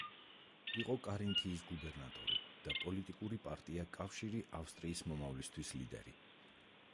იყო კარინთიის გუბერნატორი და პოლიტიკური პარტია „კავშირი ავსტრიის მომავლისთვის“ ლიდერი.